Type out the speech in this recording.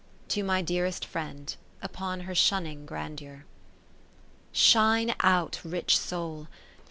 To my dearest Friend, upon her shunning Grandeur Shine out. Rich Soul